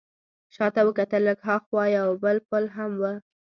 شا ته وکتل، لږ ها خوا یو بل پل هم و.